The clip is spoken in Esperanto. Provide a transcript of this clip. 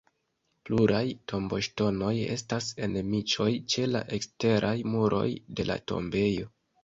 Pluraj tomboŝtonoj estas en niĉoj ĉe la eksteraj muroj de la tombejo.